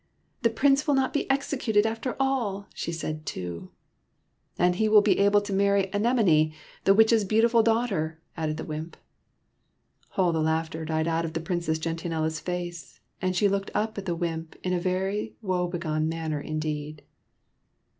" The Prince will not be executed, after all," she said, too. " And he will be able to marry Anemone, the Witch's beautiful daughter," added the wymp. All the laughter died out of Princess Gen tianella's face, and she looked up at the wymp in a very woe begone manner indeed.